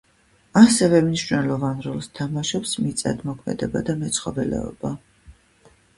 ასევე მნიშნელოვან როლს თამაშობს მიწათმოქმედება და მეცხოველეობა.